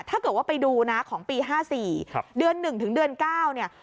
ถ้าเกิดว่าไปดูนะของปี๕๔เดือน๑ถึงเดือน๙เนี่ย